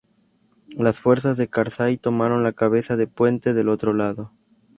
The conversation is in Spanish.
Las fuerzas de Karzai tomaron la cabeza de puente del otro lado.